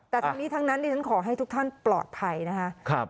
แต่ทั้งนี้ทั้งนั้นดิฉันขอให้ทุกท่านปลอดภัยนะคะ